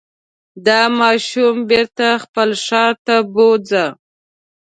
دا ماشوم بېرته خپل ښار ته بوځه.